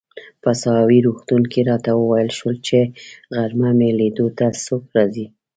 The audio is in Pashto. په ساحوي روغتون کې راته وویل شول چي غرمه مې لیدو ته څوک راځي.